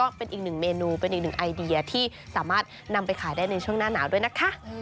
ก็เป็นอีกหนึ่งเมนูเป็นอีกหนึ่งไอเดียที่สามารถนำไปขายได้ในช่วงหน้าหนาวด้วยนะคะ